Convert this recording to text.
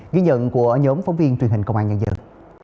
ghi nhận của nhóm phóng viên truyền hình công an nhân dân